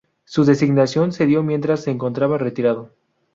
Su designación se dio mientras se encontraba retirado.